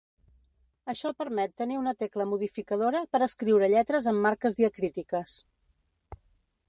Això permet tenir una tecla modificadora per escriure lletres amb marques diacrítiques.